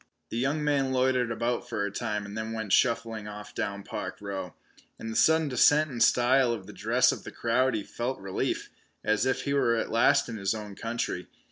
The young man loitered about for a time and then went shuffling off down Park Row. In the sudden descent in style of the dress of the crowd he felt relief, and as if he were at last in his own country.